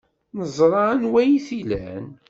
Neẓra anwa ay t-ilan.